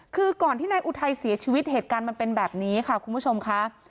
คือก่อนที่นายอุทัยเสียชีวิตเหตุการณ์มันเป็นแบบนี้ค่ะคุณผู้ชมค่ะ